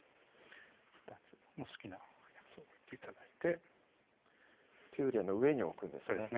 ２つ好きなやつを置いて頂いてピューレの上に置くんですね